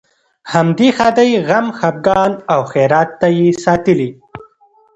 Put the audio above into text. همدې ښادۍ، غم، خپګان او خیرات ته یې ساتلې.